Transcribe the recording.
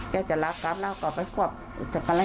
ว่ากล้องมันได้อุไม่ยังซักอย่างเลยฮะ